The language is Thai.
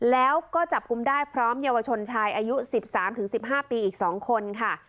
แล้วก็จับกลุ่มได้พร้อมเยาวชนชายอายุ๑๓๑๕ปีอีก๒คนค่ะ